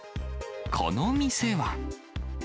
この店は。